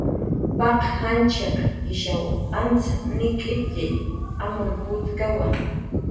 Paq janchiq ishaw antz nik'nitxi, amur putkawa